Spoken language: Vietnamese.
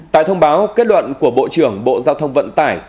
tại thông báo kết luận của bộ trưởng bộ giao thông vận tải